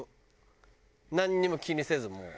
なんにも気にせずもう。